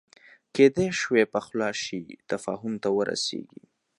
کېدای شوای پخلا شي تفاهم ته ورسېږي